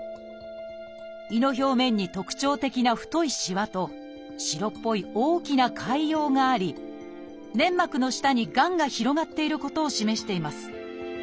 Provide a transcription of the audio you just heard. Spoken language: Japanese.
胃の表面に特徴的な太いしわと白っぽい大きな潰瘍があり粘膜の下にがんが広がっていることを示しています。